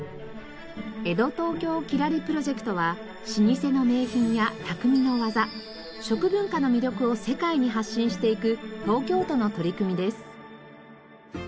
江戸東京きらりプロジェクトは老舗の名品や匠の技食文化の魅力を世界に発信していく東京都の取り組みです。